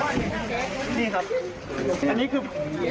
อันนี้คือ